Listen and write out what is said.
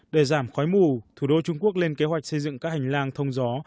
để giảm khói mù thủ đô trung quốc lên kế hoạch xây dựng các hành lang thông gió